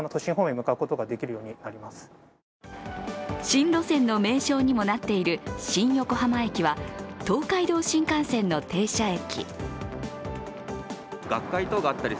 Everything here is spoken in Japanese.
新路線の名称にもなっている新横浜駅は東海道新幹線の停車駅。